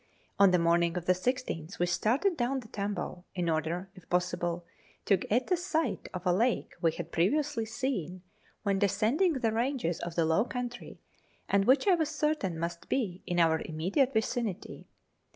On the morning of the 16th we started down the Tambo, in order, if possible, to get a sight of a lake we had previously seen when descending the ranges to the low country and which I was certain must be in our immediate vicinity.